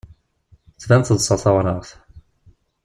Tban teḍsa tawraɣt.